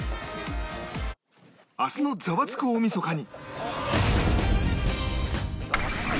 明日の『ザワつく！大晦日』に